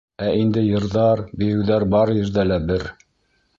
Ә инде йырҙар, бейеүҙәр бар ерҙә лә бер.